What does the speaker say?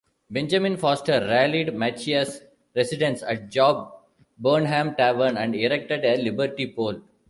Benjamin Foster rallied Machias residents at Job Burnham's tavern and erected a liberty pole.